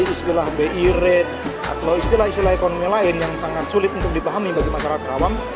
istilah bi rate atau istilah istilah ekonomi lain yang sangat sulit untuk dipahami bagi masyarakat karawang